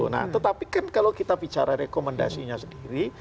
nah tetapi kan kalau kita bicara rekomendasinya sendiri